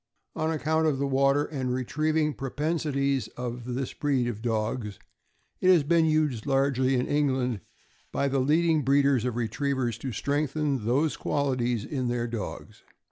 On account of the water and retrieving propensities of this breed of dogs, it has been used largely, in England, by the leading breeders of retrievers to strengthen those qual ities in their dogs.